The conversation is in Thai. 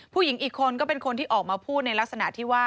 ผู้หญิงอีกคนก็เป็นคนที่ออกมาพูดในลักษณะที่ว่า